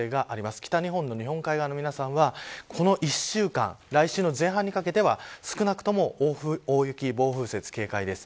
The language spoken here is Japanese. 北日本の日本海側の皆さんはこの１週間、来週の前半にかけて少なくとも大雪、暴風雪に警戒です。